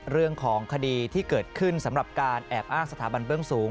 เรื่องของคดีที่เกิดขึ้นสำหรับการแอบอ้างสถาบันเบื้องสูง